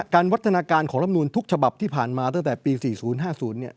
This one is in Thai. การวัฒนาการของรัฐมนูลทุกฉบับที่ผ่านมาตั้งแต่ปี๔๐๕๐